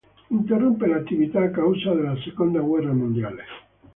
Interruppe l'attività a causa della seconda guerra mondiale.